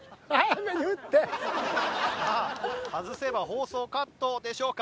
さあ外せば放送カットでしょうか？